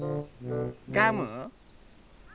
ガム？